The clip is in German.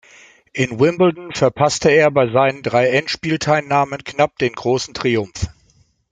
In Wimbledon verpasste er bei seinen drei Endspielteilnahmen knapp den großen Triumph.